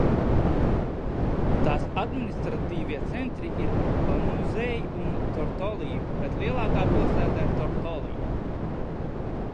Tās administratīvie centri ir Lanuzei un Tortoli, bet lielākā pilsēta ir Tortoli.